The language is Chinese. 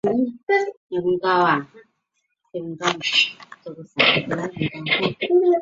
三者的等级排序不同。